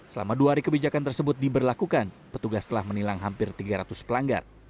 selama dua hari kebijakan tersebut diberlakukan petugas telah menilang hampir tiga ratus pelanggar